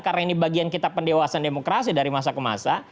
karena ini bagian kita pendewasan demokrasi dari masa ke masa